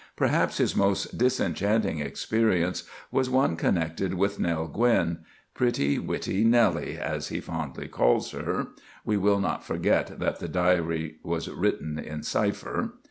Perhaps his most disenchanting experience was one connected with Nell Gwynne—"pretty, witty Nelly," as he fondly calls her,—(we will not forget that the Diary was written in cipher).